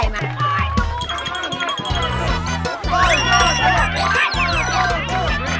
ที่คอยก่อน